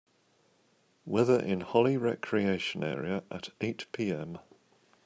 weather in Holly Recreation Area at eight P.m